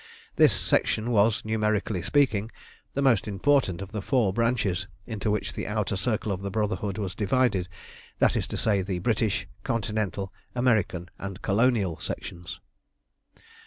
This Section was, numerically speaking, the most important of the four branches into which the Outer Circle of the Brotherhood was divided that is to say, the British, Continental, American, and Colonial Sections.